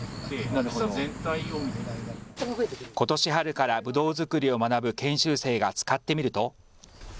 ことし春からぶどう作りを学ぶ研修生が使ってみると。